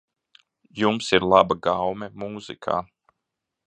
Jums ir laba gaume mūzikā.